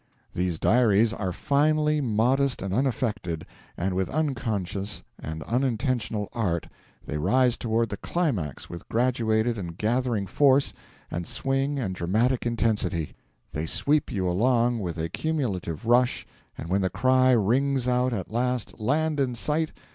These diaries are finely modest and unaffected, and with unconscious and unintentional art they rise toward the climax with graduated and gathering force and swing and dramatic intensity; they sweep you along with a cumulative rush, and when the cry rings out at last, 'Land in sight!'